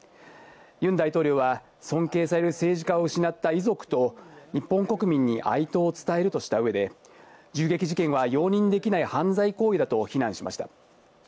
ユン大統領は尊敬される政治家を失った遺族と日本国民に哀悼を伝えるとしたうえで、銃撃事件は容認できない犯罪行為だと非難しました。